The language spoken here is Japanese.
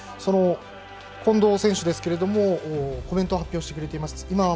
近藤選手ですがコメントを発表してくれています。